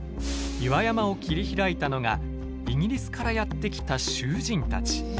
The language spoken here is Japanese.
岩山を切り開いたのがイギリスからやって来た囚人たち。